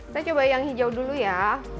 saya coba yang hijau dulu ya